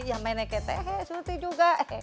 ya meneket hei surti juga